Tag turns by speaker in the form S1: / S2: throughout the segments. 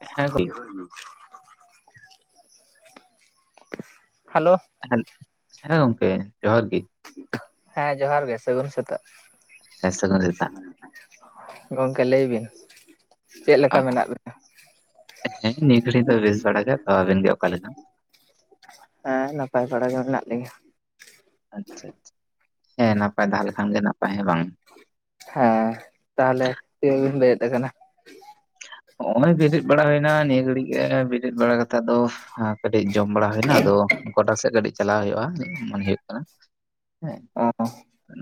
S1: ᱦᱮᱸ ᱜᱚᱝᱠᱮ,
S2: hello.
S1: Hello, ᱦᱮᱸ ᱜᱚᱢᱠᱮ ᱡᱚᱦᱟᱨ ᱜᱤ᱾
S2: ᱦᱮᱸ ᱡᱚᱦᱟᱨ ᱜᱮ, ᱥᱟᱹᱜᱩᱱ ᱥᱮᱛᱟᱜ᱾
S1: ᱦᱮᱸ ᱥᱟᱹᱜᱩᱱ ᱥᱮᱛᱟᱜ
S2: ᱜᱚᱝᱠᱮ ᱞᱟᱹᱭ ᱵᱤᱱ᱾ ᱪᱮᱫ ᱞᱮᱠᱟ ᱢᱮᱱᱟᱜ ᱵᱤᱱᱟ?
S1: ᱦᱮᱸ ᱱᱤᱭᱟᱹ ᱜᱷᱟᱹᱲᱤᱡ ᱫᱚ ᱵᱮᱥ ᱵᱟᱲᱟ ᱜᱮ ᱛᱚ ᱟᱵᱤᱱ ᱜᱮ ᱚᱠᱟ ᱞᱮᱠᱟ
S2: ᱮᱸ ᱱᱟᱯᱟᱭ ᱵᱟᱲᱟ ᱜᱮ ᱢᱮᱱᱟᱜ ᱞᱤᱧᱟᱹ᱾
S1: ᱟᱪᱪᱷᱟ ᱟᱪᱪᱷᱟ ᱦᱮᱸ ᱱᱟᱯᱟᱭ ᱛᱟᱸᱦᱮ ᱞᱮᱠᱷᱟᱱ ᱜᱮ ᱱᱟᱯᱟᱭ ᱦᱮᱸ ᱵᱟᱝ᱾
S2: ᱦᱮᱸ ᱛᱟᱦᱚᱞᱮ ᱪᱮᱫ ᱵᱤᱱ ᱞᱟᱹᱭᱮᱫ ᱠᱟᱱᱟ?
S1: ᱦᱚᱸᱜᱼᱚᱭ ᱵᱮᱨᱮᱫ ᱵᱟᱲᱟ ᱦᱩᱭᱱᱟ ᱱᱤᱭᱟᱹ ᱜᱷᱟᱹᱲᱤᱡ ᱜᱮ ᱵᱮᱨᱮᱫ ᱵᱟᱲᱟ ᱠᱟᱛᱮ ᱟᱫᱚ ᱠᱟᱹᱴᱤᱡ ᱡᱚᱢ ᱵᱟᱲᱟ ᱦᱩᱭᱱᱟ ᱟᱫᱚ ᱜᱚᱰᱟ ᱥᱮᱫ ᱠᱟᱹᱴᱤᱡ ᱪᱟᱞᱟᱣ ᱦᱩᱭᱩᱜᱼᱟ ᱢᱮᱱ ᱦᱩᱭᱩᱜ ᱠᱟᱱᱟ᱾ ᱦᱮᱸᱜ
S2: ᱚ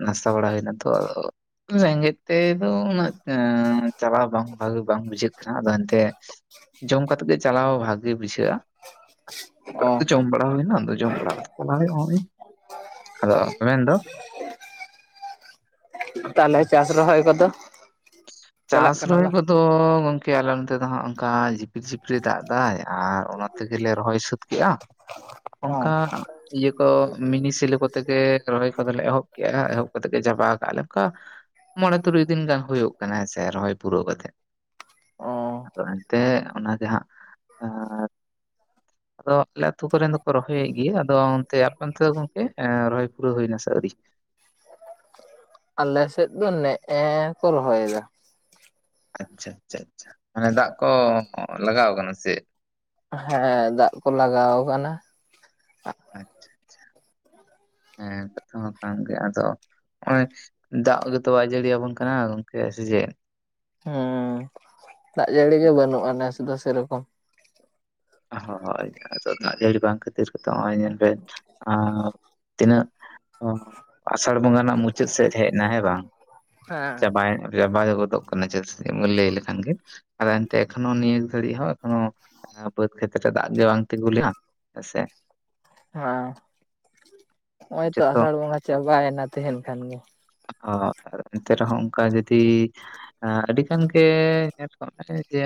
S1: ᱱᱟᱥ ᱵᱟᱲᱟ ᱦᱩᱭᱱᱟ ᱛᱚ ᱟᱫᱚ, ᱨᱮᱸᱜᱮᱡ ᱛᱮᱫᱚ ᱩᱱᱟᱹᱜ ᱪᱟᱞᱟᱣ ᱵᱟᱝ ᱵᱷᱟᱜᱤ ᱵᱟᱝ ᱵᱩᱡᱷᱟᱹᱜ ᱠᱟᱱᱟ ᱟᱫᱚ ᱮᱱᱛᱮ ᱡᱚᱢ ᱠᱟᱛᱮ ᱜᱮ ᱪᱟᱞᱟᱣ ᱵᱷᱟᱜᱮ
S2: ᱚ
S1: ᱵᱩᱡᱷᱟᱹᱜᱼᱟ᱾ ᱡᱚᱢ ᱵᱟᱲᱟ ᱦᱩᱭᱱᱟ ᱟᱫᱚ ᱡᱚᱢ ᱵᱟᱲᱟ ᱠᱟᱛᱮ ᱪᱟᱞᱟ ᱦᱩᱭᱩ ᱱᱚᱜᱼᱚᱭ ᱟᱫᱚ ᱢᱮᱱᱫᱚ
S2: ᱛᱟᱦᱚᱞᱮ ᱪᱟᱥ ᱨᱚᱦᱚᱭ ᱠᱚᱫᱚ? ᱪᱟᱞᱟᱜ
S1: ᱪᱟᱥ
S2: ᱠᱟᱱᱟ
S1: ᱨᱚᱦᱚᱭ
S2: ᱵᱟᱝ?
S1: ᱠᱚᱫᱚ ᱜᱚᱝᱠᱮ ᱟᱞᱮ ᱱᱚᱱᱚᱛᱮ ᱫᱚ ᱦᱟᱜ ᱚᱱᱠᱟ ᱡᱷᱤᱯᱤᱨ ᱡᱷᱤᱯᱤ ᱨᱤ ᱫᱟᱜ ᱫᱟᱭ ᱟᱨ ᱚᱱᱟ ᱛᱮᱜᱮ ᱞᱮ ᱨᱚᱦᱚᱭ ᱥᱟᱹᱛ ᱠᱮᱜᱼᱟ
S2: ᱚ
S1: ᱚᱝᱠᱟ ᱤᱭᱟᱹ ᱠᱚ ᱢᱤᱱᱤ ᱥᱮᱞᱳ ᱠᱚᱛᱮ ᱜᱮ ᱨᱚᱦᱚᱭ ᱠᱚᱫᱚ ᱞᱮ ᱮᱦᱚᱵ ᱠᱮᱜᱼᱟ ᱮᱦᱚᱵ ᱠᱟᱛᱮ ᱜᱮ ᱪᱟᱵᱟ ᱠᱟᱜᱼᱟ ᱞᱮᱠᱟ᱾ ᱢᱚᱬᱮ ᱛᱩᱨᱩᱭ ᱫᱤᱱ ᱜᱟᱱ ᱦᱩᱭᱩᱜ ᱠᱟᱱᱟ ᱦᱮᱸᱥᱮ ᱨᱚᱦᱚᱭ ᱯᱩᱨᱟᱹᱣ ᱠᱟᱛᱮᱜ,
S2: ᱚ
S1: ᱟᱫᱚ ᱮᱱᱛᱮᱜ ᱚᱱᱟ ᱡᱟᱦᱟᱸ
S2: ᱦᱮᱸ
S1: ᱟᱫᱚ ᱟᱞᱮ ᱟᱛᱩ ᱠᱚᱨᱮᱱ ᱫᱚ ᱠᱚ ᱨᱚᱦᱚᱭᱮᱫ ᱜᱤᱭᱟᱹ ᱟᱫᱚ ᱚᱱᱛᱮ ᱟᱯᱮ ᱚᱱᱛᱮ ᱫᱚ ᱜᱚᱝᱠᱮ ᱨᱚᱦᱚᱭ ᱯᱩᱨᱟᱹᱣ ᱦᱩᱭ ᱱᱟ ᱥᱮ ᱟᱣᱨᱤ?
S2: ᱟᱞᱮ ᱥᱮᱫ ᱫᱚ ᱱᱮᱜᱼᱮ ᱠᱚ ᱨᱚᱦᱚᱭᱮᱫᱟ᱾
S1: ᱟᱪᱪᱷᱟ ᱟᱪᱪᱷᱟ ᱟᱪᱪᱷᱟ ᱢᱟᱱᱮ ᱫᱟᱜ ᱠᱚ ᱞᱟᱜᱟᱣ ᱠᱟᱱᱟ ᱥᱮ
S2: ᱦᱮᱸ ᱫᱟᱜ ᱠᱚ ᱞᱟᱜᱟᱣ ᱟᱠᱟᱱᱟ
S1: ᱟᱪᱪᱷᱟ ᱟᱪᱪᱷᱟ ᱦᱮᱸ ᱠᱟᱛᱷᱟ ᱦᱚ ᱠᱟᱱ ᱜᱮᱭᱟ ᱟᱫᱚ ᱱᱚᱜ ᱚᱭ ᱫᱟᱜ ᱜᱮᱛᱚ ᱟᱭ ᱡᱟᱹᱲᱤᱭᱟᱵᱚᱱ ᱠᱟᱱᱟ ᱜᱚᱝᱠᱮ ᱥᱮ ᱪᱮᱫ
S2: ᱦᱩᱸ ᱫᱟᱜ ᱡᱟᱹᱲᱤ ᱜᱮ ᱵᱟᱹᱱᱩᱜᱼᱟ ᱱᱮᱥ ᱫᱚ ᱥᱮ ᱨᱚᱠᱚᱢ
S1: ᱦᱳᱭ ᱟᱫᱚ ᱫᱟᱜ ᱡᱟᱹᱲᱤ ᱵᱟᱝ ᱠᱷᱟᱹᱛᱤᱨ ᱛᱮ ᱛᱚ ᱱᱚᱜᱼᱚᱭ ᱧᱮᱞ ᱵᱮᱱ ᱟᱸ ᱛᱤᱱᱟᱹᱜ ᱟᱥᱟᱲ ᱵᱚᱸᱜᱟ ᱨᱮᱱᱟᱜ ᱢᱩᱪᱟᱹᱫ ᱥᱮᱪ ᱦᱮᱡ ᱮᱱᱟ ᱦᱮᱸ ᱵᱟᱝ
S2: ᱦᱮᱸ
S1: ᱪᱟᱵᱟᱭ ᱱᱟ [inaudible] ᱜᱚᱫᱚᱜ ᱠᱟᱱᱟ ᱡᱟᱹᱥᱛᱤ ᱢᱩᱞᱤᱭᱟᱹ ᱞᱮᱠᱷᱟᱱ ᱜᱮ ᱟᱫᱚ ᱮᱱᱛᱮ ᱮᱠᱷᱚᱱᱳ ᱱᱤᱭᱟᱹ ᱜᱷᱟᱹᱲᱤ ᱦᱚᱸ ᱮᱠᱷᱚᱱᱳ ᱵᱟᱹᱫ ᱠᱷᱮᱛ ᱨᱮ ᱫᱟᱜ ᱜᱮ ᱵᱟᱝ ᱛᱤᱜᱩ ᱦᱮᱸ ᱥᱮ
S2: ᱟᱸ ᱦᱚᱸᱼᱚᱭ ᱛᱚ
S1: ᱡᱚᱛᱚ
S2: ᱟᱥᱟᱲ ᱵᱚᱸᱜᱟ ᱪᱟᱵᱟᱭᱱᱟ ᱛᱮᱦᱮᱱ ᱠᱷᱟᱱ ᱜᱮ᱾
S1: ᱚ ᱮᱱᱛᱮ ᱨᱮᱦᱚᱸ ᱚᱱᱠᱟ ᱡᱩᱫᱤ ᱮᱸ ᱟᱹᱰᱤ ᱜᱟᱱ ᱜᱮ [inaudible] ᱡᱮ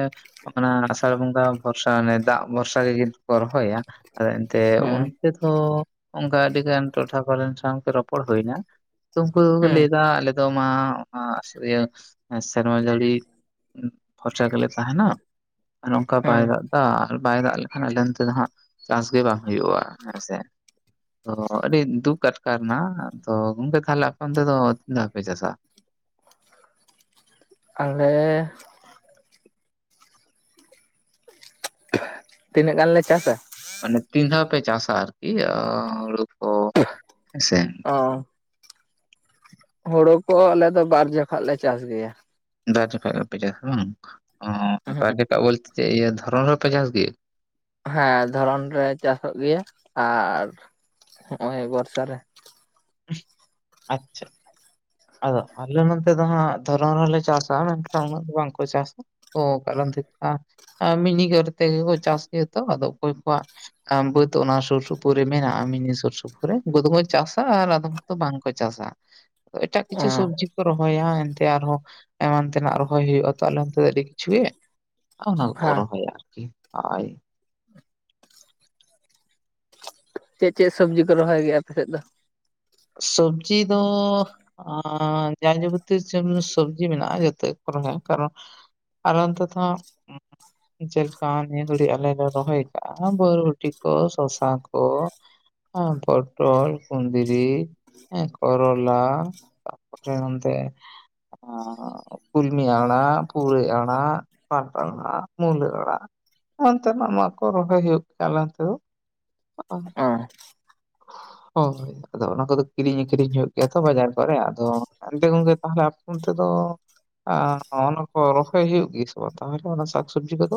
S1: ᱚᱱᱟ ᱟᱥᱟᱲ ᱵᱚᱸᱜᱟ ᱵᱚᱨᱥᱟ, ᱟᱱᱮ ᱫᱟᱜ ᱵᱷᱚᱨᱥᱟ ᱨᱮ ᱡᱩᱫᱤ ᱠᱚ ᱨᱚᱦᱚᱭᱟ ᱟᱫᱚ ᱮᱱᱛᱮ ᱩᱱ
S2: ᱦᱮᱸ
S1: [unintelligible] ᱚᱝᱠᱟ ᱟᱹᱰᱤ ᱜᱟᱱ ᱴᱚᱴᱷᱟ ᱠᱚᱨᱮᱱ ᱥᱟᱶᱛᱮ ᱨᱚᱯᱚᱲ ᱦᱩᱭ ᱮᱱᱟ ᱛᱩᱝᱠᱩ ᱫᱚ ᱠᱚ
S2: ᱦᱩᱸ
S1: ᱞᱟᱹᱭᱫᱟ ᱟᱞᱮ ᱫᱚ ᱢᱟ ᱤᱭᱟᱹ ᱥᱮᱨᱢᱟ ᱡᱟᱹᱲᱤ [unintelligible] ᱜᱮᱞᱮ ᱛᱟᱦᱮᱱᱟ [unintelligible] ᱱᱚᱝᱠᱟ
S2: ᱦᱩᱸ
S1: ᱵᱟᱭ ᱫᱟᱜ ᱮᱫᱟ ᱟᱨ ᱵᱟᱭ ᱫᱟᱜ ᱞᱮᱠᱷᱟᱱ ᱟᱞᱮ ᱚᱱᱛᱮ ᱫᱚ ᱦᱟᱸᱜ ᱪᱟᱥ ᱜᱮ ᱵᱟᱝ ᱦᱩᱭᱩᱜᱼᱟ ᱦᱮᱸ ᱥᱮ ᱛᱚ ᱟᱹᱰᱤ ᱫᱩᱠ ᱟᱴᱠᱟᱨ ᱱᱟ ᱛᱚ ᱜᱚᱝᱠᱮ ᱛᱟᱦᱞᱮ ᱟᱯᱮ ᱚᱱᱛᱮ ᱫᱚ ᱫᱷᱟᱣ ᱯᱮ ᱪᱟᱥ-ᱟ
S2: ᱟᱞᱮᱻ ᱛᱤᱱᱟᱹᱜ ᱜᱟᱱ ᱞᱮ ᱪᱟᱥᱟ
S1: ᱢᱟᱱᱮ ᱛᱤᱱ ᱫᱷᱟᱣ ᱯᱮ ᱪᱟᱥᱟ ᱟᱨᱠᱤ ᱦᱩᱲᱩ ᱠᱚ ᱦᱮᱸ ᱥᱮ
S2: ᱦᱩᱲᱩ ᱠᱚ ᱟᱞᱮ ᱫᱚ ᱵᱟᱨ ᱞᱮ ᱪᱟᱥ ᱜᱮᱭᱟ
S1: ᱵᱟᱨ ᱡᱚᱠᱷᱟᱜ ᱜᱮ ᱯᱮ ᱪᱟᱥᱟ ᱵᱟᱝ, ᱚ ᱵᱟᱨ ᱡᱚᱠᱷᱟᱜ ᱵᱚᱞᱛᱮ ᱪᱮ ᱤᱭᱟᱹ ᱫᱷᱚᱨᱚᱱ ᱨᱮ ᱦᱚᱸ ᱯᱮ ᱪᱟᱥ ᱜᱮᱭᱟ?
S2: ᱦᱮᱸ ᱫᱷᱚᱨᱚᱱ ᱨᱮ ᱪᱟᱥᱚᱜ ᱜᱮᱭᱟ ᱟᱨ ᱦᱚᱸᱜ ᱚᱭ ᱵᱚᱨᱥᱟ ᱨᱮ
S1: ᱟᱪᱪᱷᱟ, ᱟᱫᱚ ᱟᱞᱮ ᱱᱚᱛᱮ ᱫᱚ ᱦᱟᱸᱜ ᱫᱷᱚᱨᱚᱱ ᱦᱚᱞᱮ ᱪᱟᱥᱟᱟ ᱢᱮᱱᱠᱷᱟᱱ ᱩᱱᱟᱹᱜ ᱫᱚ ᱵᱟᱝ ᱠᱚ ᱪᱟᱥᱟ᱾ ᱚ ᱠᱟᱨᱚᱱ [unintelligible] ᱢᱤᱱᱤᱜᱟᱹᱨ ᱛᱮᱜᱮ ᱠᱚ ᱪᱟᱥ ᱜᱮᱭᱟ ᱛᱚ ᱟᱫᱚ ᱚᱠᱚᱭ ᱠᱚᱣᱟᱜ, ᱠᱟᱱ ᱵᱟᱹᱫᱽ ᱚᱱᱟ ᱥᱩᱨ ᱥᱩᱯᱩᱨ ᱨᱮ ᱢᱮᱱᱟᱜᱼᱟ᱾ ᱢᱤᱱᱤ ᱥᱩᱨ ᱥᱩᱯᱩᱨ ᱨᱮ ᱩᱱᱠᱩ ᱫᱚ ᱠᱚ ᱪᱟᱥ-ᱟ ᱟᱨ ᱟᱫᱚᱢ ᱠᱚ ᱫᱚ ᱵᱟᱝᱠᱚ ᱪᱟᱥ-ᱟ᱾ ᱮᱴᱟᱜ
S2: ᱚ
S1: ᱠᱤᱪᱷᱩ ᱥᱚᱵᱡᱤ ᱠᱚ ᱨᱚᱦᱚᱭᱟ ᱟᱨᱦᱚᱸ ᱮᱢᱟᱱ ᱛᱮᱱᱟᱜ ᱨᱚᱦᱚᱭ ᱦᱩᱭᱩᱜᱼᱟ ᱛᱚ ᱟᱞᱮ ᱟᱱᱛᱮ ᱫᱚ ᱟᱹᱰᱤ ᱠᱤᱪᱷᱩ ᱚᱱᱟ ᱠᱚ
S2: ᱦᱮᱸ
S1: ᱠᱚ ᱟᱨᱠᱤ ᱟᱭ᱾
S2: ᱪᱮᱫ ᱪᱮᱫ ᱥᱚᱵᱡᱤ ᱠᱚ ᱨᱚᱦᱚᱭ ᱜᱮᱭᱟ ᱟᱯᱮᱥᱮᱫ ᱫᱚ
S1: ᱥᱚᱵᱡᱤᱻ ᱫᱚᱻ ᱟᱸ ᱡᱟ ᱡᱟᱵᱚᱛᱤᱭ [inaudible] ᱥᱚᱵᱡᱤ ᱢᱮᱱᱟᱜᱼᱟ ᱡᱚᱛᱚ ᱜᱮ ᱠᱚ ᱨᱚᱦᱚᱭᱟ ᱠᱟᱨᱚᱱ? ᱟᱨ ᱚᱱᱛᱮ ᱫᱚ ᱦᱟᱸᱜ ᱡᱮᱞᱮᱠᱟ ᱱᱤᱭᱟᱹ ᱜᱷᱟᱹᱲᱤ ᱟᱞᱮ ᱞᱮ ᱨᱚᱦᱚᱭ ᱟᱠᱟᱜ-ᱟ ᱵᱳᱨᱵᱷᱩᱴᱤ ᱠᱚ ᱥᱚᱥᱟ ᱠᱚ ᱚᱸ ᱯᱚᱴᱚᱞ ᱠᱩᱱᱫᱽᱨᱤ, ᱦᱮᱸ, ᱠᱚᱨᱚᱞᱟ ᱛᱟᱯᱚᱨᱮ ᱚᱱᱛᱮ, ᱟᱸ ᱠᱩᱞᱢᱤ ᱟᱲᱟᱜ, ᱯᱩᱨᱟᱹᱭ ᱟᱲᱟᱜ, ᱯᱟᱴ ᱟᱲᱟᱜ ᱢᱩᱞᱟᱹ ᱟᱲᱟᱜ ᱦᱟᱱᱛᱮᱱᱟᱜ ᱱᱚᱣᱟ ᱠᱚ ᱨᱚᱦᱚᱭ ᱦᱩᱭᱩᱜ ᱠᱟᱱᱟ ᱛᱳ᱾ [inaudible]
S2: ᱚ
S1: ᱦᱚᱭ᱾ ᱟᱫᱚ ᱚᱱᱟ ᱠᱚ ᱫᱚ ᱠᱤᱨᱤᱧ ᱟᱹᱠᱷᱨᱤᱧ ᱦᱩᱭᱩᱜ ᱜᱮᱭᱟ ᱛᱚ ᱵᱟᱡᱟᱨ ᱠᱚᱨᱮ ᱟᱫᱚ ᱮᱱᱛᱮ ᱜᱚᱝᱠᱮ ᱛᱟᱦᱟᱞᱮ ᱟᱯᱮ ᱚᱱᱛᱮ ᱫᱚ, ᱟᱸ, ᱚᱱᱟ ᱠᱚ ᱨᱚᱦᱚᱭ ᱦᱩᱭᱩᱜ ᱜᱮ ᱥᱮ ᱵᱟᱝ ᱛᱟᱦᱚᱞᱮ ᱚᱱᱟ ᱥᱟᱠᱥᱚᱵᱽᱡᱤ ᱠᱚᱫᱚ?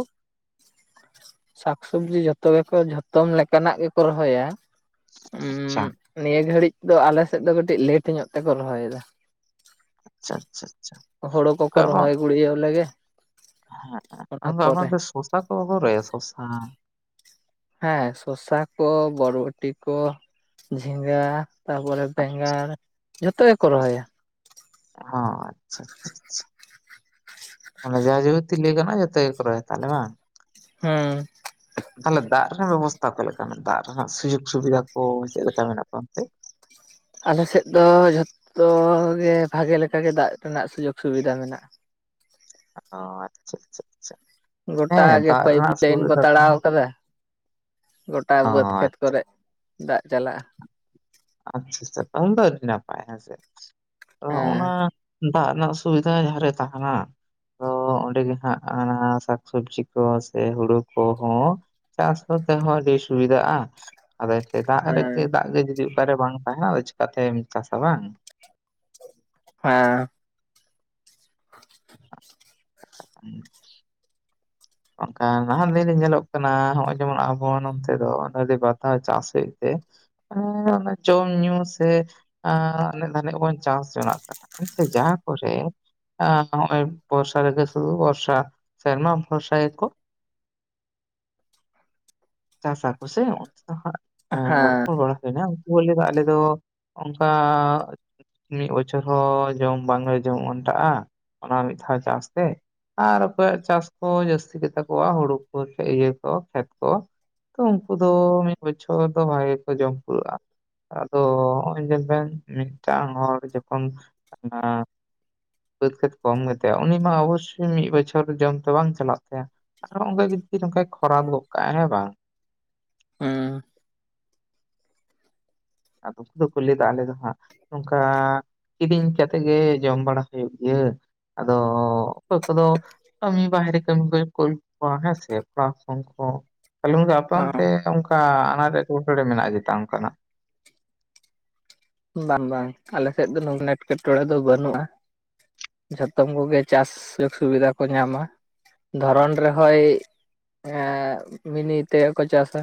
S2: ᱥᱟᱠᱥᱚᱵᱽᱡᱤ ᱡᱷᱚᱛᱚ ᱜᱮᱠᱚ ᱡᱷᱚᱛᱚᱢ ᱞᱮᱠᱟᱱᱟᱜ ᱜᱮᱠᱚ ᱨᱚᱦᱚᱭᱟ᱾ ᱩᱸ
S1: ᱟᱪᱪᱷᱟ
S2: ᱱᱤᱭᱟᱹ ᱜᱷᱲᱤᱡ ᱫᱚ ᱟᱞᱮ ᱥᱮᱫ ᱫᱚ ᱠᱟᱹᱴᱤᱡ ᱞᱮᱴ ᱧᱚᱜ ᱛᱮᱠᱚ ᱨᱚᱦᱚᱭᱮᱫᱟ᱾
S1: ᱟᱪᱪᱷᱟ ᱟᱪᱪᱷᱟ᱾ ᱟᱪᱪᱷᱟ
S2: ᱦᱳᱲᱩ ᱠᱚᱠᱚ ᱨᱚᱦᱚᱭ ᱜᱲᱤᱭᱟᱳ ᱞᱮᱜᱮ ᱚᱱᱟ
S1: ᱦᱮᱸᱫᱚ ᱟᱵᱟᱨ
S2: ᱯᱚᱨᱮ
S1: ᱫᱚ ᱥᱚᱥᱟ ᱠᱚ ᱵᱟᱯᱮᱚ ᱨᱟᱦᱟᱭᱟ ᱥᱚᱥᱟ
S2: ᱦᱮᱸ ᱥᱚᱥᱟ ᱠᱚ ᱵᱚᱨᱵᱚᱴᱤ ᱠᱚ ᱡᱷᱤᱸᱜᱟᱹ ᱛᱟᱯᱚᱨᱮ
S1: ᱦᱚᱸ
S2: ᱵᱮᱸᱜᱟᱲ ᱡᱚᱛᱚ ᱜᱮᱠᱚ ᱨᱚᱦᱚᱭᱟ
S1: ᱚ ᱟᱪᱪᱷᱟ ᱟᱪᱪᱷᱟ ᱟᱪᱪᱷᱟ ᱢᱟ ᱡᱟᱵᱟᱛᱤ ᱞᱟᱭᱜᱟᱱᱚ-ᱟ ᱠᱟᱱᱟ ᱡᱚᱛ ᱜᱮᱠᱚ ᱨᱚᱦᱟᱭᱟ ᱛᱟᱦᱚᱞᱮ ᱵᱟᱝ
S2: ᱦᱩᱸ
S1: [inaudible] ᱛᱟᱦᱚᱞᱮ ᱫᱟᱜ ᱨᱮᱱᱟᱜ ᱵᱮᱵᱚᱥᱛᱷᱟ ᱠᱚ ᱞᱮᱠᱟ ᱢᱮᱱᱟᱜ-ᱟ ᱫᱟᱜ ᱨᱮᱱᱟᱜ ᱥᱩᱡᱳᱜ ᱥᱩᱵᱤᱫᱷᱟ ᱠᱚ ᱪᱮᱫᱮ ᱞᱮᱠᱟ ᱢᱮᱱᱟᱜ ᱠᱚᱣᱟ ᱮᱱᱛᱮ
S2: ᱟᱞᱮᱥᱮᱫ ᱫᱚ ᱡᱷᱚᱛᱚ ᱜᱮ ᱵᱷᱟᱜᱮ ᱞᱮᱠᱟᱜ ᱜᱮ ᱫᱟᱜ ᱨᱮᱱᱟᱜ ᱥᱩᱡᱳᱜᱽ ᱥᱩᱵᱤᱫᱷᱟ ᱢᱮᱱᱟᱜ-ᱟ
S1: ᱟᱫᱚ ᱟᱪᱪᱷᱟ ᱟᱪᱪᱷᱟ ᱟᱪᱪᱷᱟ
S2: ᱜᱚᱴᱟᱜ
S1: ᱦᱮᱸ
S2: ᱜᱮ
S1: ᱫᱟᱜ
S2: ᱯᱟᱭᱤᱯ
S1: ᱨᱮᱱᱟᱜ
S2: ᱞᱟᱭᱤᱱ ᱠᱚ
S1: ᱥᱩᱵᱤᱫᱷᱟ
S2: ᱛᱟᱲᱟᱣ
S1: ᱛᱟᱦᱮᱸ
S2: ᱟᱠᱟᱫᱟ ᱜᱚᱴᱟ
S1: ᱚ
S2: ᱵᱟᱹᱫᱽ ᱠᱷᱮᱛ
S1: ᱟᱪᱪᱷᱟ
S2: ᱠᱚᱨᱮ ᱫᱟᱜ ᱪᱟᱞᱟᱜᱼᱟ᱾
S1: ᱟᱪᱪᱷᱟ ᱪᱷᱟ, ᱟᱢ ᱫᱚ ᱟᱹᱰᱤ ᱱᱟᱯᱟᱭ ᱦᱮᱸᱥᱮ ᱟᱫᱚ ᱱᱚᱜᱼᱚᱸ ᱱᱟ
S2: ᱦᱮᱸ
S1: ᱫᱟᱜ ᱨᱮᱱᱟᱜ ᱥᱩᱣᱤᱫᱷᱟ ᱡᱟᱦᱟᱸ ᱨᱮ ᱛᱟᱦᱮᱱᱟ᱾ ᱛᱚ ᱚᱸᱰᱮ ᱜᱮ ᱦᱟᱸᱜ ᱚᱱᱟ ᱥᱟᱠᱥᱚᱵᱽᱡᱤ ᱠᱚ ᱥᱮ ᱦᱩᱲᱩ ᱠᱚᱦᱚᱸ ᱪᱟᱥ ᱠᱚ ᱛᱮ ᱦᱚᱸ ᱟᱹᱰᱤ ᱥᱩᱵᱤᱫᱷᱟᱜ-ᱟ ᱟᱫᱚ ᱮᱱᱛᱮᱫ ᱫᱟᱜ
S2: ᱦᱮᱸ
S1: ᱨᱮᱜᱮ ᱫᱟᱜ ᱜᱮ ᱡᱩᱫᱤ ᱚᱠᱟᱨᱮ ᱵᱟᱝ ᱛᱟᱦᱮᱱᱟ ᱟᱫᱚ ᱪᱮᱠᱟᱛᱮᱢ ᱪᱟᱥᱟ ᱵᱟᱝ
S2: ᱦᱮᱸ [inaudible]
S1: ᱦᱮᱸ [inaudible] ᱚᱱᱠᱟᱱ ᱱᱟᱦᱟᱜ ᱫᱤᱱ ᱧᱮᱞᱚᱜ ᱠᱟᱱᱟ ᱱᱚᱜ-ᱚᱭ ᱡᱮᱢᱚᱱ ᱟᱵᱚ ᱱᱚᱱᱛᱮ ᱫᱚ ᱵᱟᱨᱫᱷᱟᱳ ᱪᱟᱥ ᱦᱩᱭᱩᱜ ᱛᱮ ᱦᱮᱸ ᱚᱱᱟ ᱡᱚᱢ ᱧᱩ ᱥᱮ ᱟᱱᱮᱡ ᱫᱷᱟᱹᱱᱤᱡ ᱵᱚᱱ ᱪᱟᱥ ᱡᱚᱱᱟᱜ ᱠᱟᱱᱟ ᱮᱱᱛᱮ ᱡᱟᱦᱟᱸ ᱠᱚᱨᱮ ᱟ ᱵᱚᱨᱥᱟ ᱨᱮᱜ ᱥᱩᱫᱷᱩ ᱵᱚᱨᱥᱟ ᱥᱮᱨᱢᱟ ᱥᱟᱭ ᱠᱚ ᱪᱟᱥᱟ ᱠᱚ ᱥᱮ
S2: ᱦᱮᱸ
S1: ᱨᱚᱯᱚᱲ ᱵᱟᱲᱟ ᱦᱩᱭᱱᱟ ᱩᱱᱠᱩ ᱞᱟᱹᱭ ᱫᱚ ᱟᱞᱮ ᱫᱚ ᱚᱱᱠᱟ ᱢᱤᱫ ᱵᱚᱪᱷᱚᱨ ᱦᱚᱸ ᱡᱚᱢ ᱵᱟᱝᱞᱮ ᱡᱚᱢ ᱚᱱᱴᱟᱜ-ᱟ ᱚᱱᱟ ᱢᱤᱫ ᱫᱷᱟᱣ ᱪᱟᱥᱛᱮ ᱟᱨ ᱚᱠᱚᱭᱟᱜ ᱪᱟᱥ ᱦᱳᱭ ᱡᱟᱹᱥᱛᱤ ᱜᱮᱛᱟ ᱠᱚᱣᱟ ᱦᱩᱲᱩ ᱠᱚ ᱤᱭᱟᱹ ᱠᱚ ᱠᱷᱮᱛ ᱠᱚ ᱛᱚ ᱩᱱᱠᱩ ᱫᱚ ᱢᱤᱫ ᱵᱚᱪᱷᱚᱨ ᱫᱚ ᱵᱷᱟᱜᱮ ᱠᱚ ᱡᱚᱢ ᱯᱩᱨᱟᱹᱜ-ᱟ ᱟᱫᱚ ᱱᱚ-ᱚᱭ ᱧᱮᱞ ᱵᱮᱱ ᱢᱤᱫᱴᱟᱝ ᱦᱚᱲ ᱡᱚᱠᱷᱚᱱ ᱵᱟᱹᱫ ᱠᱷᱟᱹᱛ ᱠᱚᱢ ᱜᱮᱛᱟᱭᱟ ᱩᱱᱤ ᱢᱟ ᱚᱵᱚᱥᱳᱭ ᱢᱤᱫ ᱵᱚᱪᱷᱚᱨ ᱡᱚᱢ ᱫᱚ ᱵᱟᱝ ᱪᱟᱞᱟᱜ ᱛᱟᱭᱟ ᱟᱨᱦᱚ ᱚᱱᱠᱟᱟᱜ ᱜᱮ ᱡᱩᱫᱤ ᱱᱚᱝᱠᱟᱭ ᱠᱷᱚᱨᱟ ᱜᱚᱫ ᱠᱟᱜᱟᱭ ᱦᱮᱸ ᱵᱟᱝ
S2: ᱦᱩᱸ
S1: ᱟᱫᱚ ᱩᱱᱠᱩ ᱫᱚᱠᱚ ᱞᱟᱹᱭᱟ ᱟᱞᱮ ᱫᱚ ᱦᱟᱸᱜ ᱱᱚᱝᱠᱟ ᱠᱤᱨᱤᱧ ᱠᱟᱛᱮᱫ ᱜᱮ ᱡᱚᱢ ᱵᱟᱲᱟ ᱦᱩᱭᱩᱜ ᱜᱮᱭᱟ ᱟᱫᱚ ᱚᱠᱚᱭ ᱠᱚᱫᱚ ᱠᱟᱹᱢᱤ ᱵᱟᱦᱨᱮ ᱠᱟᱹᱢᱤ ᱠᱚ ᱠᱚ ᱠᱳᱞ ᱠᱚᱭᱟ ᱦᱮ ᱥᱮ ᱯᱚᱝᱠᱷ ᱛᱟᱦᱞᱮ ᱚᱱᱠᱟ
S2: ᱦᱚᱸ
S1: ᱟᱯᱟᱢᱚᱱᱛᱮ ᱚᱱᱠᱟ ᱟᱱᱟᱴ ᱮᱸᱴᱠᱮᱴᱚᱬᱮ ᱢᱮᱱᱟᱜ-ᱟ ᱡᱮᱛᱟ ᱚᱱᱠᱟᱱᱟᱜ
S2: ᱵᱟᱝ ᱵᱟᱝ ᱟᱞᱮᱥᱮᱫ ᱫᱚ ᱱᱩᱱᱟ. ᱜ ᱮᱴᱠᱮᱴᱚᱬᱮ ᱫᱚ ᱵᱟᱹᱱᱩᱜ-ᱟ ᱡᱚᱛᱚᱢ ᱠᱚᱜᱮ ᱪᱟᱥ ᱥᱩᱡᱳᱜ ᱥᱩᱵᱤᱫᱷᱟ ᱠᱚ ᱧᱟᱢᱟ ᱫᱷᱚᱨᱚᱱ ᱨᱮᱦᱚᱭ ᱮᱜ ᱢᱤᱱᱤ ᱛᱮᱜᱮᱠᱚ ᱪᱟᱥᱟ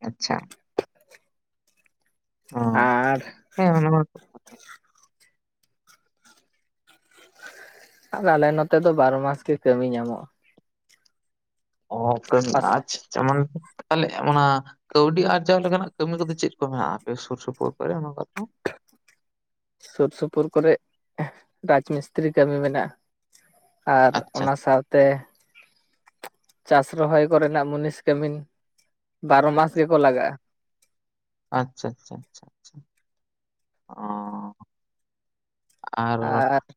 S1: ᱟᱪᱪᱷᱟ ᱚ
S2: ᱟᱨ
S1: ᱦᱮᱸ
S2: ᱟᱫᱚ ᱟᱞᱮ ᱱᱚᱛᱮ ᱫᱚ ᱵᱟᱨᱚ ᱢᱟᱥ ᱜᱮ ᱠᱟᱹᱢᱤ ᱧᱟᱢᱚᱜ-ᱟ
S1: ᱚ ᱟᱪᱪᱷᱟ
S2: ᱯᱟᱥ
S1: ᱟᱪᱪᱷᱟ ᱢᱟᱱᱮ ᱛᱚ ᱛᱟᱦᱚᱞᱮ ᱚᱱᱟ ᱠᱟᱹᱣᱰᱤ ᱟᱨᱡᱟᱣ ᱞᱮᱠᱟᱱᱟᱜ ᱠᱟᱹᱢᱤ ᱠᱚᱫᱚ ᱪᱮᱫ ᱠᱚ ᱢᱮᱱᱟᱜ-ᱟ ᱟᱯᱮ ᱥᱩᱨ ᱥᱩᱯᱩᱨ ᱠᱚᱨᱮ ᱫᱚ
S2: ᱥᱩᱨ ᱥᱩᱯᱩᱨ ᱠᱚᱨᱮ ᱨᱟᱡᱢᱤᱥᱛᱨᱤ ᱠᱟᱹᱢᱤ ᱢᱮᱱᱟᱜ-ᱟ ᱟᱨ
S1: ᱟᱪᱪᱷᱟ
S2: ᱚᱱᱟ ᱥᱟᱶᱛᱮ ᱪᱟᱥ ᱨᱚᱦᱚᱭ ᱠᱚᱨᱮᱱᱟᱜ ᱢᱩᱱᱤᱥ ᱠᱟᱹᱢᱤᱤᱱ ᱵᱟᱨᱚ ᱢᱟᱥ ᱜᱮᱠᱚ ᱞᱟᱜᱟᱜᱼᱟ᱾
S1: ᱟᱪᱪᱷᱟ ᱟᱪᱪᱷᱟ ᱟᱪᱪᱷᱟ ᱟᱪᱷᱟ ᱚᱸᱻ ᱟᱨ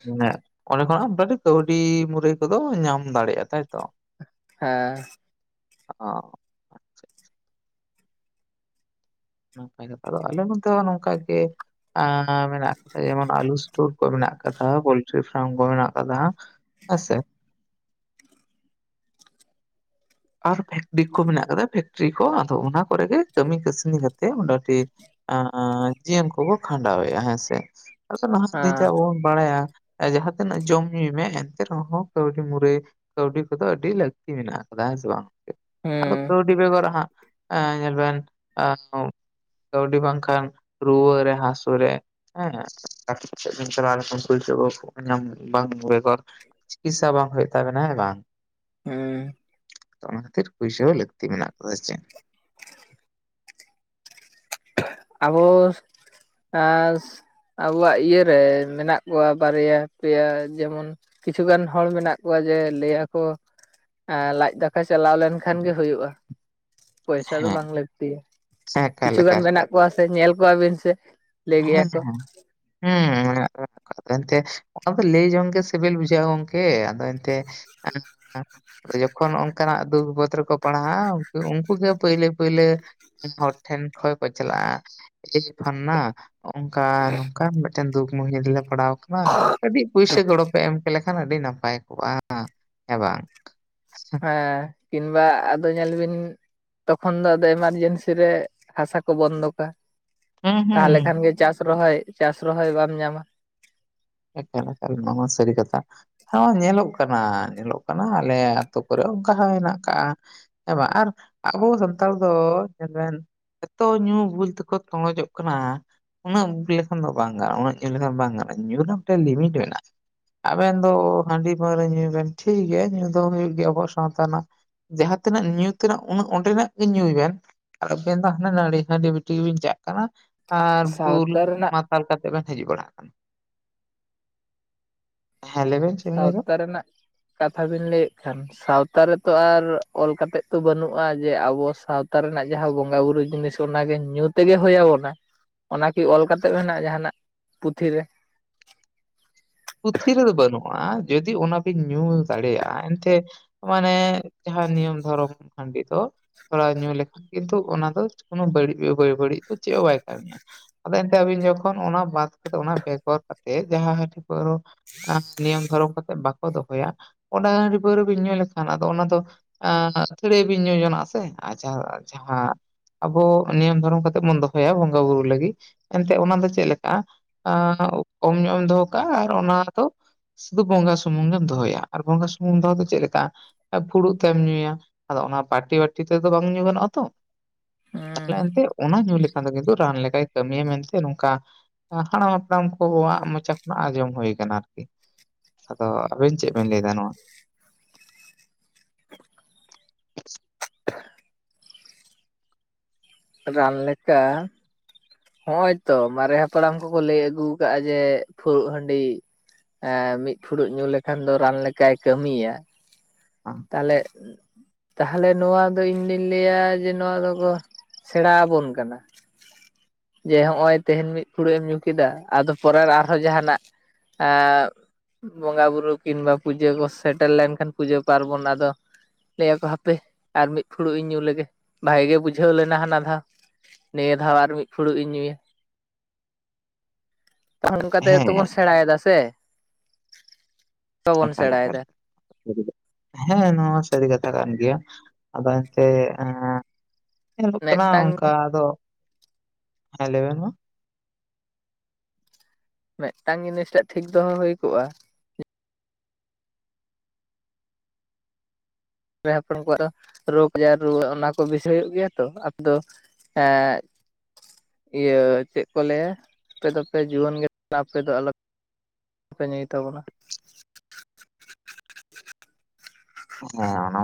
S1: ᱢᱟᱱᱮ ᱚᱸᱰᱮ ᱠᱷᱚᱱᱟᱜ ᱠᱟᱹᱣᱰᱤ ᱢᱩᱨᱟᱹᱭ ᱠᱚᱫᱚ ᱧᱟᱢ ᱫᱟᱲᱮᱭᱟᱜᱼᱟ ᱛᱟᱭᱛᱚ
S2: ᱦᱮᱸ
S1: ᱚ ᱱᱟᱯᱟᱭ ᱱᱟᱯᱟᱭ ᱟᱞᱮ ᱱᱚᱛᱮ ᱦᱚᱸ ᱱᱚᱝᱠᱟ ᱜᱮ ᱮ ᱢᱮᱱᱟᱜᱼᱟ ᱡᱮᱢᱚᱱ ᱟᱞᱩ ᱥᱴᱳᱨ ᱠᱚ ᱢᱮᱱᱟᱜ ᱠᱟᱫᱟ ᱯᱳᱞᱴᱨᱤ ᱯᱷᱟᱨᱢ ᱠᱚ ᱢᱮᱱᱟᱜ ᱠᱟᱫᱟ ᱦᱮᱸᱥᱮ ᱟᱨ ᱯᱷᱮᱠᱴᱤᱠ ᱠᱚ ᱢᱮᱱᱟᱜ ᱠᱟᱫᱟ ᱯᱷᱮᱠᱴᱨᱤ ᱠᱚ ᱟᱫᱚ ᱚᱱᱟ ᱠᱚᱨᱮ ᱜᱮ ᱠᱟᱹᱢᱤ ᱠᱟᱹᱥᱱᱤ ᱠᱟᱛᱮᱜ ᱢᱚᱴᱟ ᱢᱩᱴᱤ ᱦᱚᱜ ᱚᱭ ᱡᱤᱭᱚᱱ ᱠᱚᱵᱚ ᱠᱷᱟᱸᱰᱟᱣᱮᱜ-ᱟ ᱦᱮᱸᱥᱮ
S2: ᱦᱮᱸ
S1: [unintelligible] ᱵᱟᱲᱟᱭᱟ ᱡᱟᱦᱟᱸ ᱛᱤᱱᱟᱹᱜ ᱡᱚᱢ ᱧᱩᱭ ᱢᱮ ᱮᱱᱛᱮ ᱨᱮᱦᱚᱸ ᱠᱟᱹᱣᱰᱤ ᱢᱩᱨᱟᱹᱭ ᱠᱟᱹᱣᱰᱤ ᱠᱚᱫᱚ ᱟᱹᱰᱤ ᱞᱟᱹᱠᱛᱤ ᱢᱮᱱᱟᱜ ᱟᱠᱟᱫᱟ ᱦᱮᱸ ᱥᱮ ᱵᱟᱝ ᱟᱫᱚ
S2: ᱦᱩᱸ
S1: ᱠᱟᱹᱣᱰᱤ ᱵᱮᱜᱚᱨ ᱦᱟᱸᱜ ᱮ ᱧᱮᱞ ᱵᱮᱱ ᱠᱟᱹᱣᱰᱤ ᱵᱟᱝᱠᱷᱟᱱ ᱨᱩᱣᱟᱹ ᱨᱮ ᱦᱟᱹᱥᱩ ᱨᱮ ᱦᱮᱸ ᱵᱟᱠᱤ ᱠᱟᱛᱮᱫ ᱵᱤᱱ ᱪᱟᱞᱟᱣ ᱞᱮᱠᱷᱟᱱ [unintelligible] ᱵᱟᱝ ᱵᱮᱜᱚᱨ ᱪᱤᱠᱤᱛᱥᱟ ᱵᱟᱝ ᱦᱩᱭᱩᱜ ᱛᱟᱮᱱᱟ ᱦᱮᱸ ᱵᱟᱝ
S2: ᱦᱩᱸ
S1: ᱚᱱᱟ ᱠᱷᱟᱹᱛᱤᱨ ᱯᱩᱭᱥᱟᱹ ᱦᱚᱸ ᱞᱟᱹᱠᱛᱤ ᱢᱮᱱᱟᱜ ᱠᱟᱫᱟ ᱪᱮᱫ
S2: ᱟᱵᱚ ᱮ ᱟᱵᱚᱣᱟᱜ ᱤᱭᱟᱹ ᱨᱮ ᱢᱮᱱᱟᱜ ᱠᱚᱣᱟ ᱵᱟᱨᱭᱟ ᱯᱮᱭᱟ ᱡᱮᱢᱚᱱ ᱠᱤᱪᱷᱩᱜᱟᱱ ᱦᱚᱲ ᱢᱮᱱᱟᱜ ᱠᱚᱣᱟ ᱡᱮ ᱞᱟᱹᱭᱟᱠᱚ ᱮ ᱞᱟᱡ ᱫᱟᱠᱟ ᱪᱟᱞᱟᱣ ᱞᱮᱱᱠᱷᱟᱱ ᱜᱮ ᱦᱩᱭᱩᱜᱼᱟ ᱯᱚᱭᱥᱟ ᱫᱚ ᱵᱟᱝ ᱞᱟᱹᱠᱛᱤᱭᱟ᱾
S1: ᱥᱮᱸᱠ
S2: ᱠᱤᱪᱷᱩᱩᱜᱟᱱ ᱢᱮᱱᱟᱜ ᱠᱚᱣᱟ ᱥᱮ ᱧᱮᱞ ᱠᱚᱣᱟ ᱵᱤᱱ ᱥᱮ ᱞᱟᱹᱭ ᱜᱮᱭᱟ
S1: ᱦᱮᱸ
S2: ᱠᱚ
S1: ᱦᱮᱸ ᱦᱮᱸ ᱮᱱᱛᱮ ᱚᱱᱟ ᱞᱟᱹᱭ ᱡᱚᱝ ᱜᱮ ᱥᱤᱵᱤᱞ ᱵᱩᱡᱷᱟᱹᱜᱼᱟ ᱜᱚᱝᱠᱮ ᱚᱱᱛᱮ ᱡᱚᱠᱷᱚᱱ ᱚᱱᱠᱟᱱᱟᱜ ᱫᱩᱠ ᱵᱤᱯᱚᱫ ᱨᱮᱠᱚ ᱯᱟᱲᱦᱟᱜᱼᱟ ᱩᱱᱠᱩ ᱜᱮ ᱯᱳᱭᱞᱟᱹ ᱯᱳᱭᱞᱟᱹ ᱦᱚᱲ ᱴᱷᱮᱱ ᱠᱷᱚᱭ ᱠᱚ ᱪᱟᱞᱟᱜᱼᱟ ᱯᱷᱟᱱᱱᱟ ᱦᱚᱜᱚᱝᱠᱟᱱ ᱱᱚᱝᱠᱟ ᱢᱤᱫᱴᱮᱱ ᱫᱩᱠ ᱢᱩᱦᱤᱛ ᱨᱮᱞᱮ ᱯᱟᱲᱟᱣ ᱠᱟᱱᱟ ᱠᱟ. ᱴᱤᱡ ᱯᱩᱭᱥᱟᱹ ᱜᱚᱲᱚᱯᱮ ᱮᱢ ᱠᱮᱞᱮᱠᱷᱟᱱ ᱟᱹᱰᱤ ᱱᱟᱯᱟᱭ ᱠᱚᱜᱼᱟ ᱦᱮᱸ ᱵᱟᱝ
S2: ᱦᱮᱸ ᱠᱤᱱᱵᱟ ᱟᱫᱚ ᱧᱮᱞ ᱵᱤᱱ ᱛᱚᱠᱷᱚᱱ ᱫᱚ ᱟᱫᱚ ᱮᱢᱟᱨᱡᱮᱱᱥᱤ ᱨᱮ ᱦᱟᱥᱟ ᱠᱚ ᱵᱚᱱᱫᱚᱠᱟ
S1: ᱦᱩᱸ ᱦᱩᱸ
S2: ᱛᱟᱦᱚᱞᱮ ᱠᱷᱟᱱᱜᱮ ᱪᱟᱥ ᱨᱚᱦᱚᱭ ᱪᱟᱥ ᱨᱚᱦᱚᱭ ᱵᱟᱢ ᱧᱟᱢᱟ᱾
S1: ᱮᱠᱟᱞ ᱮᱠᱟᱞ ᱱᱚᱣᱟ ᱢᱟ ᱥᱟᱹᱨᱤ ᱠᱟᱛᱷᱟ ᱦᱮ ᱧᱮᱞᱚᱜ ᱠᱟᱱᱟ ᱧᱮᱞᱚᱜ ᱠᱟᱱᱟ ᱟᱞᱮ ᱟᱹᱛᱩ ᱠᱚᱨᱮ ᱚᱱᱠᱟ ᱦᱚᱸ ᱦᱮᱱᱟᱜ ᱠᱟᱜᱼᱟ᱾ ᱦᱮᱸ ᱵᱟᱝ ᱟᱨ ᱟᱵᱚ ᱥᱟᱱᱛᱟᱲ ᱫᱚ ᱧᱮᱞ ᱵᱮᱱ ᱮᱛᱚ ᱧᱩᱞ ᱵᱩᱞ ᱛᱮᱠᱚ ᱛᱚᱸᱦᱚᱡᱚᱜ ᱠᱟᱱᱟ ᱩᱱᱟᱹᱜ [unintelligible] ᱞᱮᱠᱷᱟᱱ ᱫᱚ ᱵᱟᱝ ᱜᱟᱱᱚᱜᱼᱟ ᱩᱱᱟᱹᱜ ᱧᱩ ᱞᱮᱠᱷᱟᱱ ᱵᱟᱝ ᱜᱟᱱᱚᱜᱼᱟ ᱧᱩ ᱨᱮᱱᱟᱜ ᱢᱤᱫᱴᱮᱱ ᱞᱤᱢᱤᱴ ᱢᱮᱱᱟᱜᱼᱟ᱾ ᱟᱵᱮᱱ ᱫᱚ ᱦᱟᱺᱰᱤ ᱯᱟᱹᱣᱨᱟᱹ ᱧᱩᱭ ᱵᱮᱱ ᱴᱷᱤᱠ ᱜᱮᱭᱟ ᱧᱩ ᱫᱚ ᱦᱩᱭᱩᱜ ᱜᱮᱭᱟ ᱟᱵᱚ ᱥᱟᱶᱛᱟ ᱨᱮᱱᱟᱜ᱾ ᱡᱟᱦᱟᱸ ᱛᱤᱱᱟᱹᱜ ᱧᱩ ᱛᱮᱱᱟᱜ ᱩᱱᱟᱹᱜ ᱚᱸᱰᱮᱱᱟᱜ ᱜᱮ ᱧᱩᱭ ᱵᱮᱱ᱾ ᱟᱨ ᱟᱵᱮᱱ ᱫᱚ ᱦᱟᱱᱮ ᱱᱟᱹᱲᱤ ᱦᱟᱺᱰᱤ ᱵᱤᱴᱤᱡ ᱜᱮᱵᱤᱱ ᱪᱟᱜ ᱠᱟᱱᱟ ᱟᱨ ᱵᱩᱞ
S2: ᱥᱟᱶᱛᱟ ᱨᱮᱱᱟᱜ
S1: ᱢᱟᱛᱟᱞ ᱠᱟᱛᱮᱫ ᱵᱮᱱ ᱦᱤᱡᱩᱜ ᱵᱟᱲᱟᱜ ᱠᱟᱱᱟ᱾ ᱦᱮᱸ ᱞᱟᱹᱭ ᱵᱮᱱ ᱪᱮᱫ ᱵᱮᱱ ᱞᱟᱹᱭ ᱫᱟ
S2: ᱥᱟᱶᱛᱟ ᱨᱮᱱᱟᱜ ᱠᱟᱛᱷᱟ ᱵᱤᱱ ᱞᱟᱹᱭᱮᱫ ᱠᱷᱟᱱ ᱥᱟᱶᱛᱟ ᱨᱮᱛᱚ ᱟᱨ ᱚᱞ ᱠᱟᱛᱮᱜ ᱛᱚ ᱵᱟᱹᱱᱩᱜᱼᱟ ᱡᱮ ᱟᱵᱚ ᱥᱟᱶᱛᱟ ᱨᱮᱱᱟᱜ ᱡᱟᱦᱟᱸ ᱵᱚᱸᱜᱟ ᱵᱩᱨᱩᱳ ᱡᱤᱱᱤᱥ ᱛᱚ ᱚᱱᱟᱜᱮ ᱧᱩ ᱛᱮᱜᱮ ᱦᱭᱟᱵᱚᱱᱟ ᱚᱱᱟᱠᱤ ᱚᱞ ᱠᱟᱛᱮ ᱢᱮᱱᱟᱜᱼᱟ ᱡᱟᱦᱱᱟᱜ ᱯᱩᱛᱷᱤ ᱨᱮ᱾
S1: ᱯᱩᱛᱷᱤ ᱨᱮᱫᱚ ᱵᱟᱹᱱᱩᱜᱼᱟ ᱡᱩᱫᱤᱡ ᱚᱱᱟᱵᱤᱱ ᱧᱩ ᱫᱟᱲᱮᱭᱟᱜᱼᱟ ᱮᱱᱛᱮ ᱢᱟᱱᱮ ᱡᱟᱦᱟᱸ ᱱᱤᱭᱚᱢ ᱫᱷᱚᱨᱚᱢ ᱦᱟᱺᱰᱤ ᱫᱚ᱾ ᱛᱷᱚᱲᱟᱣ ᱧᱩ ᱞᱮᱠᱷᱟᱱ ᱠᱤᱱᱛᱩ ᱚᱱᱟ ᱫᱚ ᱠᱳᱱᱳ ᱵᱟᱹᱲᱤᱡ ᱵᱮ ᱵᱟᱹᱲᱤᱡ ᱫᱚ ᱪᱮᱫ ᱦᱚᱸ ᱵᱟᱭ ᱠᱟᱹᱢᱤᱭᱟ ᱟᱫᱚ ᱟᱹᱵᱤᱱ ᱡᱚᱠᱷᱚᱱ ᱚᱱᱟ ᱵᱟᱫ ᱠᱟᱛᱮ ᱚᱱᱟ ᱵᱮᱜᱚᱨ ᱠᱟᱛᱮ ᱡᱟᱦᱟᱸ ᱦᱟᱹᱴᱤ ᱯᱟᱹᱣᱨᱟᱹ ᱱᱤᱭᱚᱢ ᱫᱷᱚᱨᱚᱢ ᱠᱟᱛᱮᱮᱫ ᱵᱟᱠᱚ ᱫᱚᱦᱚᱭᱟ ᱚᱱᱟ ᱦᱺ ᱨᱰᱤ ᱯᱟᱹᱣᱨᱟᱹ ᱵᱤᱱ ᱧᱩ ᱞᱮᱠᱷᱟᱱ ᱟᱫᱚ ᱚᱱᱟ ᱫᱚ ᱟᱹᱛᱷᱟᱹᱲᱤᱭᱟᱹ ᱵᱤᱱ ᱧᱩ ᱡᱚᱱᱟᱜ ᱟ ᱥᱮ ᱟᱨ ᱡᱟᱦᱟᱸ ᱟᱵᱚ ᱱᱤᱭᱚᱢ ᱫᱷᱚᱨᱚᱢ ᱠᱟᱛᱮᱜ ᱵᱚᱱ ᱫᱚᱦᱚᱭᱟ ᱵᱚᱸᱜᱟ ᱵᱩᱨᱩ ᱞᱟᱹᱜᱤᱫ ᱮᱱᱛᱮᱫ ᱚᱱᱟ ᱫᱚ ᱪᱮᱫ ᱞᱮᱠᱟ ᱠᱚᱢ ᱧᱚᱜ ᱮᱢ ᱫᱚᱦᱚ ᱠᱟᱜᱼᱟ ᱟᱨ ᱚᱱᱟ ᱫᱚ᱾ ᱥᱩᱫᱩ ᱵᱚᱸᱜᱟ ᱥᱩᱢᱩᱝ ᱜᱮᱢ ᱫᱚᱦᱚᱭᱟ ᱟᱨ ᱵᱚᱸᱜᱟ ᱥᱩᱢᱩᱝ ᱫᱚᱦᱚ ᱫᱚ ᱪᱮᱫ ᱞᱮᱠᱟ ᱯᱷᱩᱲᱩᱜ ᱛᱮᱢ ᱧᱩᱭᱟ ᱟᱫᱚ ᱚᱱᱟ ᱯᱟᱴᱤ ᱵᱟᱴᱤ ᱛᱮᱫᱚ ᱵᱟᱝ ᱧᱩ ᱜᱟᱱᱚᱜᱼᱟ ᱛᱚ᱾
S2: ᱦᱩᱸ
S1: ᱛᱟᱯᱨᱮ ᱮᱱᱛᱮ ᱚᱱᱟ ᱧᱩ ᱞᱮᱠᱷᱟᱱ ᱫᱚ ᱠᱤᱱᱛᱩ ᱨᱟᱱ ᱞᱮᱠᱟᱭ ᱠᱟᱹᱢᱤᱭᱟ ᱢᱮᱱᱛᱮ ᱱᱚᱝᱠᱟ ᱦᱟᱲᱟᱢ ᱦᱟᱯᱲᱟᱢ ᱠᱚᱵᱚᱣᱟᱜ ᱢᱚᱪᱟ ᱟᱸᱡᱚᱢ ᱦᱩᱭ ᱟᱠᱟᱱᱟ ᱟᱨᱠᱤ᱾ ᱟᱫᱚ ᱟᱵᱮᱱ ᱪᱮᱫ ᱵᱮᱱ ᱞᱟᱹᱭ ᱮᱫᱟ ᱱᱚᱣᱟ?
S2: ᱨᱟᱱ ᱞᱮᱠᱟ᱾ ᱱᱚᱜ ᱚᱭ ᱛᱚ ᱢᱟᱨᱮ ᱦᱟᱯᱲᱟᱢ ᱠᱚᱠᱚ ᱞᱟᱹᱭ ᱟᱹᱜᱩ ᱟᱠᱟᱫᱟᱼᱟ ᱡᱮ ᱯᱷᱩᱲᱩᱜ ᱦᱟᱺᱰᱤ᱾ ᱢᱤᱫ ᱯᱷᱩᱲᱩᱜ ᱧᱩ ᱞᱮᱠᱷᱟᱱ ᱫᱚ ᱨᱟᱱ ᱞᱮᱠᱟᱭ ᱠᱟᱹᱢᱤᱭᱟ᱾
S1: ᱟ
S2: ᱛᱟᱦᱚᱞᱮ ᱛᱟᱦᱚᱞᱮ ᱱᱚᱣᱟ ᱫᱚ ᱤᱧᱫᱩᱧ ᱞᱟᱹᱭᱟ ᱡᱮ ᱱᱚᱣᱟ ᱫᱚ ᱠᱚ ᱥᱮᱬᱟ ᱟᱵᱚᱱ ᱠᱟᱱᱟ᱾ ᱡᱮ ᱦᱚᱜ-ᱚᱭ ᱛᱮᱦᱮᱧ ᱢᱤᱫ ᱯᱷᱩᱲᱩᱜ ᱮᱢ ᱧᱩ ᱠᱮᱫᱟ ᱟᱫᱚ ᱯᱚᱨᱮ ᱟᱨᱦᱚᱸ ᱡᱟᱦᱟᱱᱟᱜ ᱟᱨ ᱵᱚᱸᱜᱟ ᱵᱩᱨᱩ ᱠᱤᱝᱵᱟ ᱯᱩᱡᱟᱹ ᱠᱚ ᱥᱮᱴᱮᱨ ᱞᱮᱱᱠᱷᱟᱱ ᱯᱩᱡᱟᱹ ᱯᱟᱨᱵᱚᱱ ᱟᱫᱚ᱾ ᱞᱟᱹᱭᱟᱠᱚ ᱦᱟᱯᱮ ᱟᱨ ᱢᱤᱫ ᱯᱷᱩᱲᱩᱜ ᱤᱧ ᱧᱩ ᱞᱮᱜᱮ ᱵᱷᱟᱜᱮ ᱜᱮ ᱵᱩᱡᱷᱟᱹᱣ ᱞᱮ᱾ ᱞᱮᱱᱟ ᱦᱟᱱᱟ ᱫᱷᱟᱣ ᱱᱤᱭᱟᱹ ᱫᱷᱟᱣ ᱟᱨ ᱢᱤᱫ ᱯᱷᱩᱲᱩᱜ ᱤᱧ ᱧᱩᱭᱟ᱾ ᱛᱟᱦᱚᱞᱮ ᱚᱱᱠᱟ ᱠᱟᱛᱮ
S1: ᱦᱮᱸ
S2: ᱜᱮᱵᱚᱱ ᱥᱮᱬᱟᱭᱮᱫᱟ ᱥᱮ? ᱵᱟᱵᱚᱱ
S1: ᱮᱠᱟᱞ ᱮᱠᱟᱞ
S2: ᱥᱮᱬᱟᱭᱮᱫᱟ
S1: ᱦᱮᱸ ᱱᱚᱶᱟ ᱥᱟᱹᱨᱤ ᱠᱟᱛᱷᱟ ᱠᱟᱱ ᱜᱮᱭᱟ ᱟᱫᱚ ᱮᱱᱛᱮ ᱧᱮᱞᱚᱜ ᱠᱟᱱᱟ
S2: ᱢᱤᱫᱴᱟᱝ
S1: ᱚᱱᱠᱟ ᱟᱫᱚ ᱦᱮ ᱞᱟᱹᱭ ᱵᱮᱱᱢᱟ᱾
S2: ᱢᱤᱫᱴᱟᱝ ᱡᱤᱱᱤᱥ ᱴᱟᱜ ᱴᱷᱤᱠ ᱫᱚᱦᱚ ᱦᱩᱭ ᱠᱚᱜᱼᱟ᱾ ᱦᱟᱯᱲᱟᱢ ᱠᱚᱣᱟᱜ ᱨᱳᱜᱽ ᱟᱡᱟᱨ ᱨᱩᱣᱟᱹ ᱚᱱᱟ ᱠᱚ ᱵᱤᱥᱤ ᱦᱩᱭᱩᱜ ᱜᱮᱭᱟ ᱛᱚ ᱟᱯᱮᱫᱚ᱾ ᱮ ᱤᱭᱟᱹ ᱪᱮᱫ ᱠᱚ ᱞᱟᱹᱭᱟ ᱟᱯᱮ ᱫᱚᱯᱮ ᱡᱩᱣᱟᱹᱱ ᱜᱮᱭᱟ ᱟᱯᱮ ᱫᱚ ᱟᱞᱚ ᱯᱮ ᱧᱩᱭ ᱛᱟᱵᱚᱱᱟ᱾
S1: ᱦᱮᱸ ᱚᱱᱟ